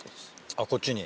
あっこっちに。